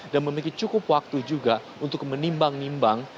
dan memiliki cukup waktu juga untuk menimbang nimbang